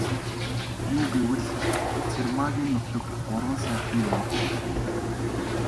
Юу гэвэл, Цэрмаагийн нутаг Гурван сайхны өвөрт бөлгөө.